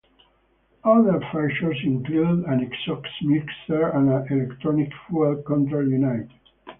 Other features include an exhaust mixer and an electronic fuel control unit.